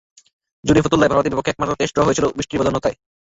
জুনে ফতুল্লায় ভারতের বিপক্ষে একমাত্র টেস্ট ড্র হয়েছিল হয়েছিল বৃষ্টির বদান্যতায়।